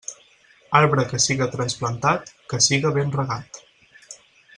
Arbre que siga trasplantat, que siga ben regat.